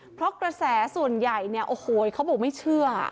เพราะกระแสส่วนใหญ่เนี่ยโอ้โหเขาบอกไม่เชื่อ